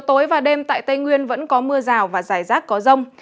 tối và đêm tại tây nguyên vẫn có mưa rào và rải rác có rông